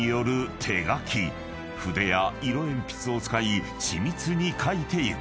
［筆や色鉛筆を使い緻密に描いてゆく］